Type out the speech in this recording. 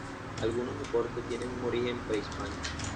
Algunos deportes tienen un origen prehispánico.